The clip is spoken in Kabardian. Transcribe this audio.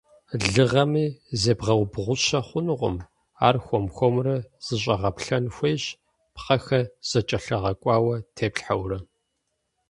Лыгъэми зебгъэубгъущэ хъунукъым, ар хуэм-хуэмурэ зэщӀэгъэплъэн хуейщ, пхъэхэр зэкӀэлъыгъэкӀуауэ теплъхьэурэ.